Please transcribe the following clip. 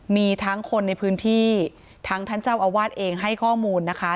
มีทั้งคนในพื้นที่ทั้งท่านเจ้าอาวาสเองให้ข้อมูลนะคะ